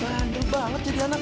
bandel banget jadi anak